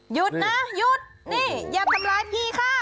หยุดนะหยุดนี่อย่าทำร้ายพี่ค่ะ